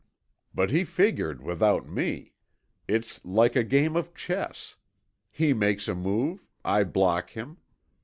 But he figured without me. It's like a game of chess. He makes a move. I block him.